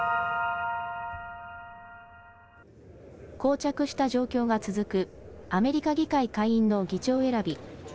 こう着した状況が続くアメリカ議会下院の議長選び。